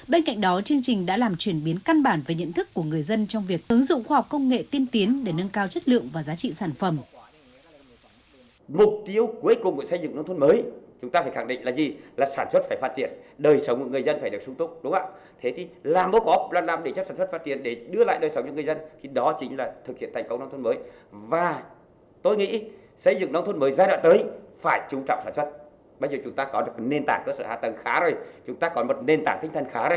bên cạnh đó chương trình đã làm chuyển biến căn bản về nhận thức của người dân trong việc ứng dụng khoa học công nghệ tiên tiến để nâng cao chất lượng và giá trị sản phẩm